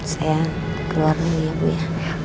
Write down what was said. saya keluar dulu ya